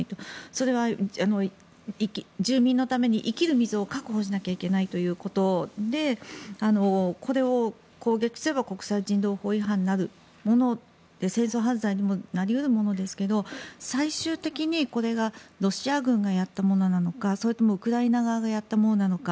それは住民のために生きる水を確保しなければいけないということでこれを攻撃すれば国際人道法違反になるもので戦争犯罪にもなり得るものですが最終的にこれがロシア軍がやったものなのかそれともウクライナ側がやったものなのか